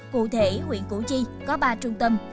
cụ thể huyện củ chi có ba trung tâm